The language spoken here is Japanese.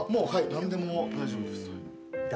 何でも大丈夫です。